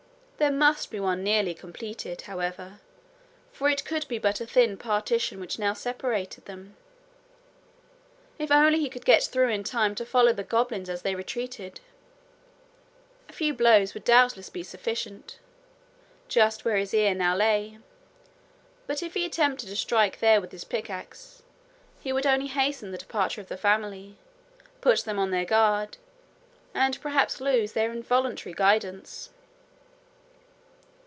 There must be one nearly completed, however; for it could be but a thin partition which now separated them. If only he could get through in time to follow the goblins as they retreated! A few blows would doubtless be sufficient just where his ear now lay; but if he attempted to strike there with his pickaxe, he would only hasten the departure of the family, put them on their guard, and perhaps lose their involuntary guidance.